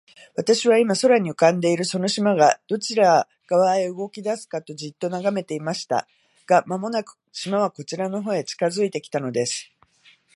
私は、今、空に浮んでいるその島が、どちら側へ動きだすかと、じっと眺めていました。が、間もなく、島はこちらの方へ近づいて来たのです。